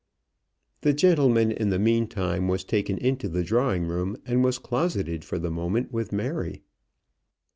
The gentleman in the meantime was taken into the drawing room, and was closeted for the moment with Mary.